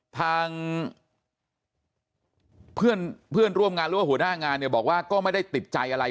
ทางเพื่อนร่วมงานหรือว่าหัวหน้างานเนี่ยบอกว่าก็ไม่ได้ติดใจอะไร